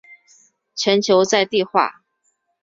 全球在地化。